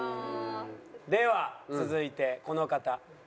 では続いてこの方。